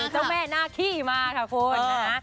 เจ้าแม่นาคี้มาค่ะคุณนะ